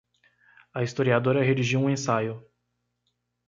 A historiadora redigiu um ensaio